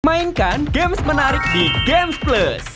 mainkan games menarik di gamesplus